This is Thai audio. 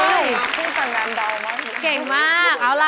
ออกมาล่ะ